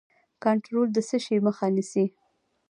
کنټرول د څه شي مخه نیسي؟